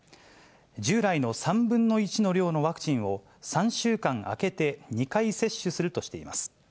従来の３分の１の量のワクチンを、３週間空けて２回接種するとしています。